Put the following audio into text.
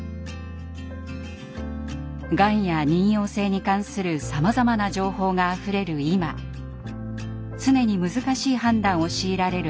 がんや妊よう性に関するさまざまな情報があふれる今常に難しい判断を強いられるＡＹＡ世代。